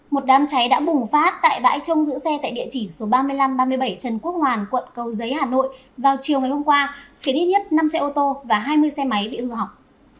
một đám cháy đã bùng phát tại bãi trông giữ xe tại địa chỉ số ba mươi năm ba mươi bảy trần quốc hoàn quận cầu giấy hà nội vào chiều ngày hôm qua khiến ít nhất năm xe ô tô và hai mươi xe máy bị hư hỏng